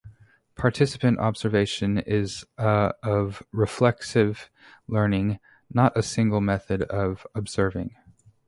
Participant observation is a of reflexive learning, not a single method of observing.